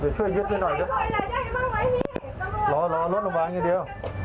พี่ให้มาช่วยจำมาแล้วพี่